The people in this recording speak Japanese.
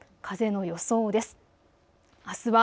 風の予想です。